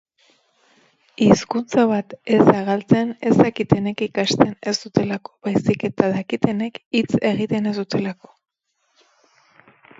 Kutsatu horien harremanak aztertzen ari dira orain familian zein gizarte-ingurunean.